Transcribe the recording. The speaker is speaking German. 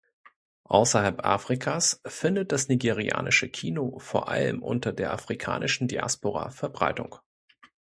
Außerhalb Afrikas findet das nigerianische Kino vor allem unter der afrikanischen Diaspora Verbreitung.